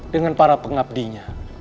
dengan para pengabdinya